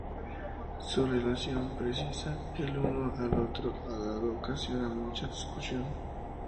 Su relación precisa el uno al otro ha dado ocasión a mucha discusión.